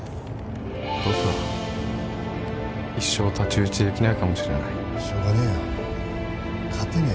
僕は一生太刀打ちできないかもしれない・しょうがねえよ勝てねえよ